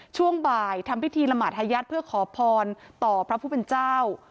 ช่วงบ่ายทำพิธีละหมาดฮายัดเพื่อขอพรต่อพระผู้เป็นเจ้า